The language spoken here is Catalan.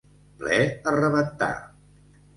Ple a rebentar.